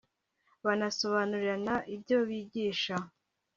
banasobanurirana ibyo bigisha